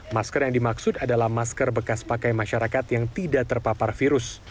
masker yang dimaksud adalah masker bekas pakai masyarakat yang tidak terpapar virus